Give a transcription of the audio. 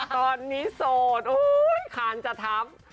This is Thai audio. ตอนนี้โสดคานจะทำ